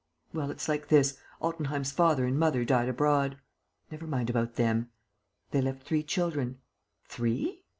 "Well, it's like this: Altenheim's father and mother died abroad." "Never mind about them." "They left three children." "Three?"